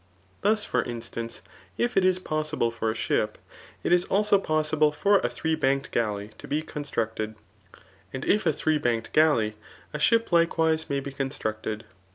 Thus, for instance, if it is possible for a diip, it is also possible for a three banked gMej to be constmct4 ed ; and if a three^banked galley, a diip likewise may be constructed.